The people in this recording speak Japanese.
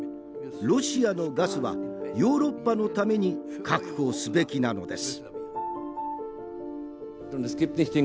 ロシアのガスはヨーロッパのために確保すべきなのです。